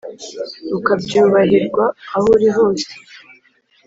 ukabyubahirwa aho uri hose